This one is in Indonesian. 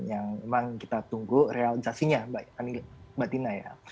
yang memang kita tunggu realisasinya mbak tina ya